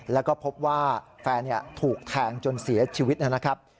แล้วก็พบว่าแฟนถูกแทงจนเสียชีวิตนะครับ